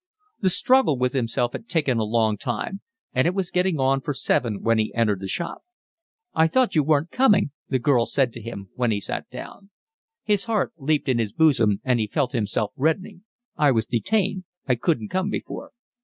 The struggle with himself had taken a long time, and it was getting on for seven when he entered the shop. "I thought you weren't coming," the girl said to him, when he sat down. His heart leaped in his bosom and he felt himself reddening. "I was detained. I couldn't come before."